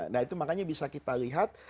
nah itu makanya bisa kita lihat